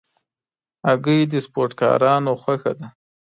هګۍ د سپورټکارانو خوښه ده.